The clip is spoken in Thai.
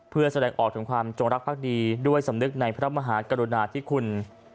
เพื่อแสดงออกถึงความจงรักภักดีด้วยสำนึกในพระมหากรุณาธิคุณ